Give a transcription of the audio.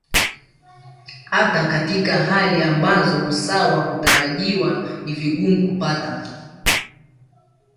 Hata katika hali ambazo usawa hutarajiwa ni vigumu kupata